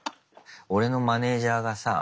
俺のマネージャーがさ